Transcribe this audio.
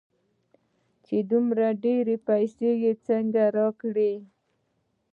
چې دومره ډېرې پيسې يې څنگه راکړې.